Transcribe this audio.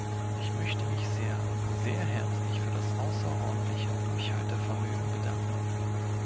Ich möchte mich sehr, sehr herzlich für das außerordentliche Durchhaltevermögen bedanken.